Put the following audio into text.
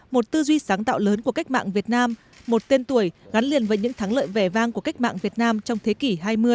một tư duy sáng tạo lớn của cách mạng việt nam một tên tuổi gắn liền với những thắng lợi vẻ vang của cách mạng việt nam trong thế kỷ hai mươi